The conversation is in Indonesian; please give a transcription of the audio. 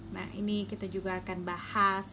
nah ini kita juga akan bahas